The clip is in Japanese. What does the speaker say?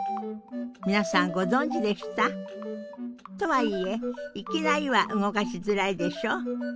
皆さんご存じでした？とはいえいきなりは動かしづらいでしょ？